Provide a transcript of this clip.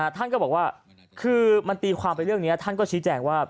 ท่านก็บอกว่าคือมันตีความไปเรื่องนี้ท่านก็ชี้แจงว่า